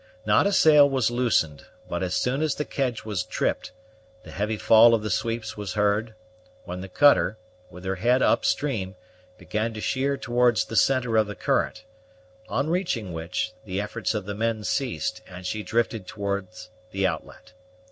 Not a sail was loosened; but as soon as the kedge was tripped, the heavy fall of the sweeps was heard, when the cutter, with her head up stream, began to sheer towards the centre of the current; on reaching which, the efforts of the men ceased, and she drifted towards the outlet.